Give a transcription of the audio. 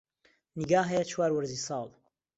نیگا هەیە چوار وەرزی ساڵ